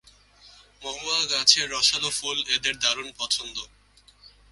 মহুয়া গাছের রসালো ফুল এদের দারুণ পছন্দ।